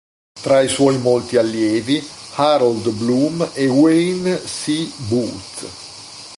Tra i suoi molti allievi, Harold Bloom e Wayne C. Booth.